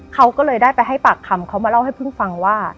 เขาก็เลยได้ไปให้ปากคำเขามาเล่าให้พึ่งฟังว่า